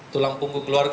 tulang punggung keluarga